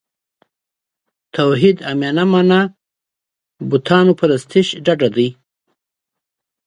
توحید عامیانه معنا بوتانو پرستش ډډه دی.